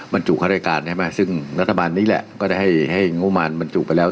บรรจุข้ารายการใช่ไหมซึ่งรัฐบาลนี้แหละก็ได้ให้งบมารบรรจุไปแล้ว